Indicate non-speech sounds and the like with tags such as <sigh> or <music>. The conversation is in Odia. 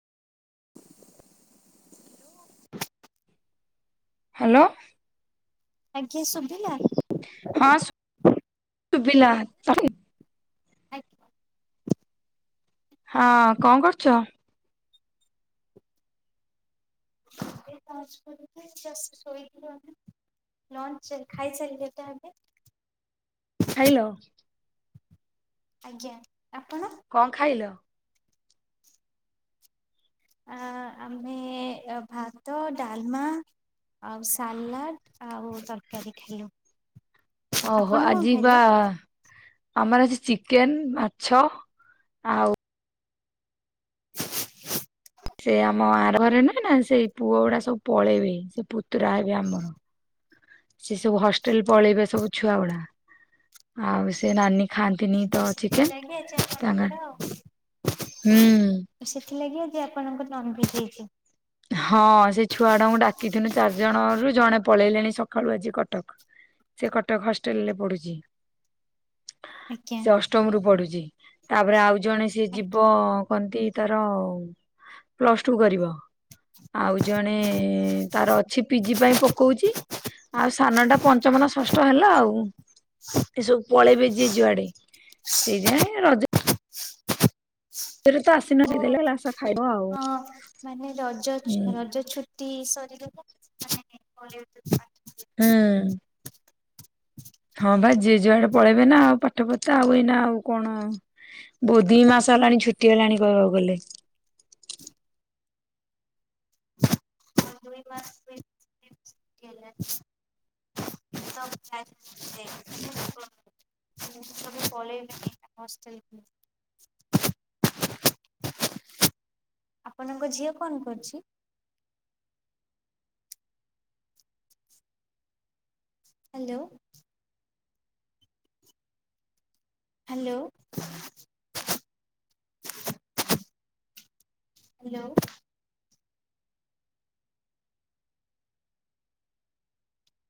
ହାଲୋ। ଆଜ୍ଞା ଶୁଭିଲା। ହଁ ଶୁଭିଲ। ଆଜ୍ୟୁ ହଁ କଣ କରୁଛ। ଶୋଇ ଲ ଖାଇସାରିଲେ ତ ଏବେ। ଖେଳିଲ। ଆଜ୍ଞା ଆପଣ। କଣ ଖାଇଲ? ଆ ଆମେ ଭାତ ଡାଲମା ଆଉ ସାଲାଟ ଆଉ ତରକାରୀ ଖଇଲୁ। ଓହୋ ଆଯି ବା ଆମର ଆଜି ଚିକେନ ମାଛ ଆଉ ସେ ଆମ ଆରଘରେ ନା ନା ସେଇ ପୁଅ ଗୁଡା ସବୁ ପଳେଇବେ ସେ ପୁତୁରା ହେବେ ଆମର। ସେ ସବୁ ହଷ୍ଟେଲ ପଳେଇବେ ସବୁ ଛୁଆ ଗୁଡା ଆଉ ସେ ନାନୀ ଖାନ୍ତିନି ତ ଚିକେନ୍ ସେଥିଲାଗି ଆଜି ତାଙ୍କ ଆପଣଙ୍କର ହୁଁ। ସେଥିଲାଗି ଆଜି ଆପଣଙ୍କ ନନଭେଜ ହେଇଛି। ହଁ ସେ ଛୁଆ ଟାଙ୍କୁ ଡାକିଥିନୁ ଚାରିଜଣରୁୁ ଜଣେ ପଳେଇଲେଣି ସକାଳୁ ଆଜି କଟକ। ସେ କଟକ ହଷ୍ଟେଲ ରେ ପଢୁଛି। ଆଜ୍ଞା। ସେ ଅଷ୍ଟମରୁୁ ପଡୁଛି ତାପରେ ଆଉ ଜଣେ ସିଏ ଯିବ କନ୍ତି ତାର ପ୍ଲସ ଟୁ କରିବ। ଆଉ ଜଣେ ତାର ଅଛି ପିଜି ପାଇଁ ପକଉଛି ଆଉ ସାନଟା ମନା ଷଷ୍ଠ ହେଲା ଆଉ ଏସବୁ। ପଳେଇବେ ଯିଏ ଯୁଆଡେ ସେଇଥିନାଇ ରଜ ସେ ତ ଆସ ଓ ହଁ ମାନେ ରଜ ହୁଁ ରଜ ଛୁ ଟି ସରିଗଲା <unintelligible> ହୁଁ। ହଁ ଭାଇ ଯିଏ ଯୁଆଡେ ପଳେଇବେ ନା ଆଉ ପାଠ ପତ୍ତା ଆଉ ଏଇନା ଆଉ କଣ। ବୋତ ଦି ମାସ ହେଲାଣି ଛୁଟି ହେଲାଣି କହିବାକୁ ଗଲେ। ଦୁଇ ମାସ୍ <unintelligible> ହେଲାଣି। ତ ସବୁ <unintelligible> ହଷ୍ଟେଲକୁ। ଆପଣଙ୍କ ଝିଅ କଣ କରୁଛି। ହ୍ୟାଲୋ। ହାଲୋ। ହାଲୋ।